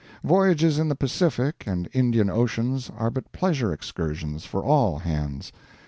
Voyages in the Pacific and Indian Oceans are but pleasure excursions for all hands.